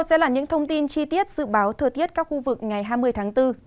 đây là những thông tin chi tiết dự báo thừa tiết các khu vực ngày hai mươi tháng bốn